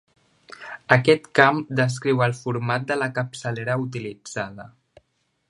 Aquest camp descriu el format de la capçalera utilitzada.